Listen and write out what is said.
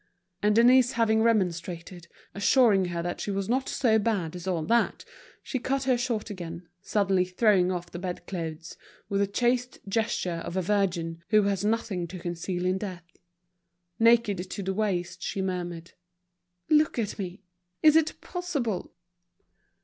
And Denise having remonstrated, assuring her that she was not so bad as all that, she cut her short again, suddenly throwing off the bed clothes with the chaste gesture of a virgin who has nothing to conceal in death. Naked to the waist, she murmured: "Look at me! Is it possible?"